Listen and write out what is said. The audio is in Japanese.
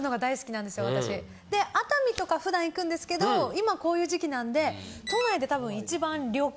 熱海とか普段行くんですけど今こういう時期なんで。